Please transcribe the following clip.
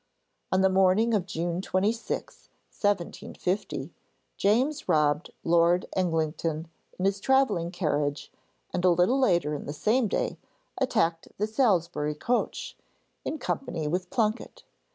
On the morning of June 26, 1750, James robbed Lord Eglinton in his travelling carriage, and a little later in the same day attacked the Salisbury coach, in company with Plunket.